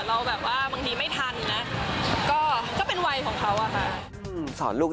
เราแบบว่าบางทีไม่ทันนะก็เป็นวัยของเขาอะค่ะ